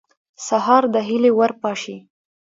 سهار د هیلې ور پاشي.